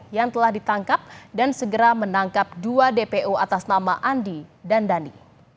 yang telah ditangkap dan segera menangkap dua dpo atas nama andi dan dhani